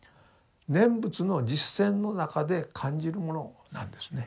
念仏の実践の中で感じるものなんですね。